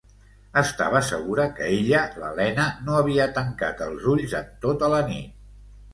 Estava segura que ella, l'Elena, no havia tancat els ulls en tota la nit.